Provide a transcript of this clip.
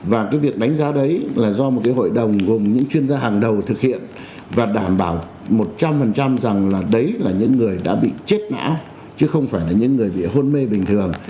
và cái việc đánh giá đấy là do một cái hội đồng gồm những chuyên gia hàng đầu thực hiện và đảm bảo một trăm linh rằng là đấy là những người đã bị chết não chứ không phải là những người bị hôn mê bình thường